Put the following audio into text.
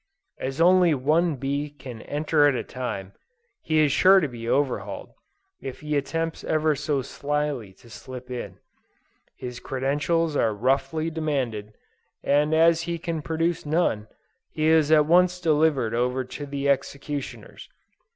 As only one bee can enter at a time, he is sure to be overhauled, if he attempts ever so slyly to slip in: his credentials are roughly demanded, and as he can produce none, he is at once delivered over to the executioners.